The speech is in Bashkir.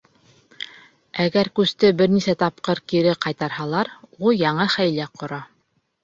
Әгәр күсте бер нисә тапҡыр кире ҡайтарһалар, ул яңы хәйлә ҡора.